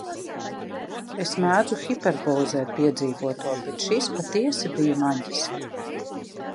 Es mēdzu hiperbolizēt piedzīvoto, bet šis patiesi bija maģiski.